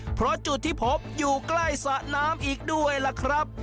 เพราะจุดที่พบอยู่ใกล้สระน้ำอีกด้วยล่ะครับ